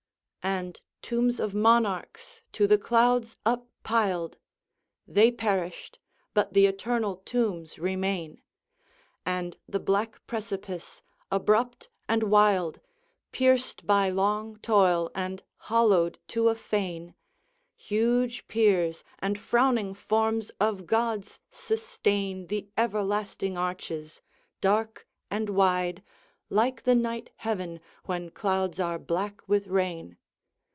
And tombs of monarchs to the clouds up piled They perished, but the eternal tombs remain And the black precipice, abrupt and wild, Pierced by long toil and hollowed to a fane; Huge piers and frowning forms of gods sustain The everlasting arches, dark and wide, Like the night heaven, when clouds are black with rain.